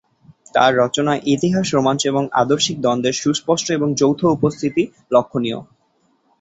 তার রচনায় ইতিহাস, রোমাঞ্চ এবং আদর্শিক দ্বন্দ্বের সুস্পষ্ট এবং যৌথ উপস্থিতি লক্ষ্যণীয়।